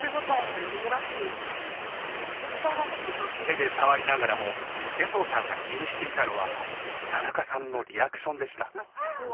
手で触りながらも衛藤さんが気にしていたのは田中さんのリアクションでした。